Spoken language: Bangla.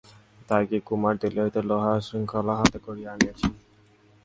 তাই কি, কুমার দিল্লি হইতে লোহার শৃঙ্খল হাতে করিয়া আনিয়াছেন?